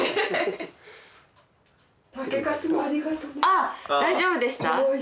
あっ大丈夫でした？